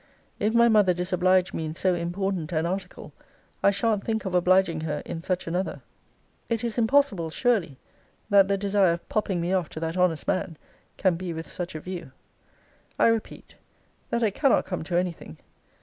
If my mother disoblige me in so important an article, I shan't think of obliging her in such another. It is impossible, surely, that the desire of popping me off to that honest man can be with such a view. I repeat, that it cannot come to any thing.